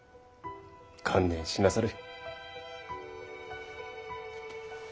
観念しなされ。